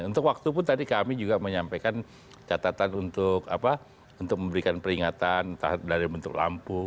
untuk waktu pun tadi kami juga menyampaikan catatan untuk memberikan peringatan entah dari bentuk lampu